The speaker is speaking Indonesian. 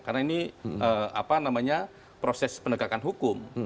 karena ini proses penegakan hukum